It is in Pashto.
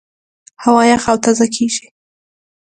هوا یخه او تازه کېږي.